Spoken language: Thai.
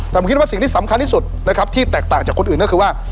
และสิ่งที่สำคัญที่สุดที่แตกต่างจากคนอื่นก็คือว่า